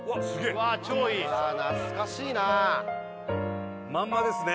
うわ超いい懐かしいなまんまですね